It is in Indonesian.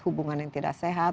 hubungan yang tidak sehat